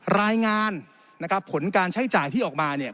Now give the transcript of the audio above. รายงานนะครับผลการใช้จ่ายที่ออกมาเนี่ย